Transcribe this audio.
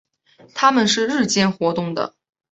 它们是日间活动的。